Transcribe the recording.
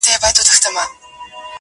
خالق ورته لیکلي دي د نوح د قوم خوبونه!.